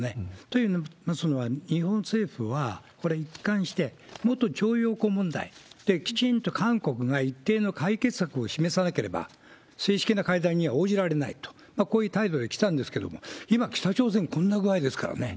といいますのは、日本政府は、これ、一貫して、元徴用工問題、きちんと韓国が一定の解決策を示さなければ、正式な会談に応じられないと、こういう態度できたんですけれども、今、北朝鮮、こんな具合ですからね。